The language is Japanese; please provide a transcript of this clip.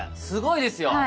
すごいですよ。